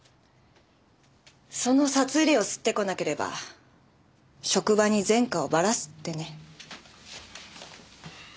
その札入れを掏ってこなければ職場に前科をばらすってね。